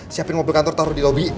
siapin mobil kantor taruh di lobi